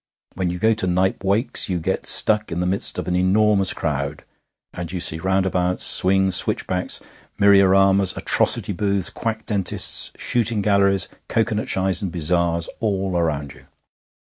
When you go to Knype Wakes you get stuck in the midst of an enormous crowd, and you see roundabouts, swings, switchbacks, myrioramas, atrocity booths, quack dentists, shooting galleries, cocoanut shies, and bazaars, all around you.